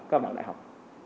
các bảng đại học